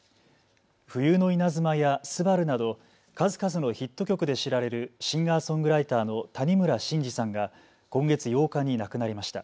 冬の稲妻や昴など数々のヒット曲で知られるシンガーソングライターの谷村新司さんが今月８日に亡くなりました。